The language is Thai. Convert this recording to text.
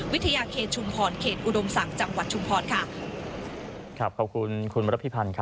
วิทยาเขตชุมพรเขตอุดมสังจังหวัดชุมพร